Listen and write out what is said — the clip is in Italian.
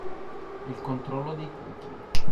Il controllo dei cookie